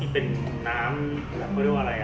เป็นน้ำ